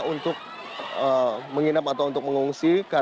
untuk menginap atau untuk mengungsi